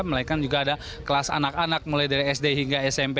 melainkan juga ada kelas anak anak mulai dari sd hingga smp